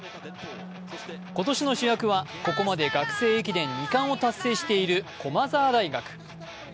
今年の主役は、ここまで学生駅伝二冠を達成している駒澤大学。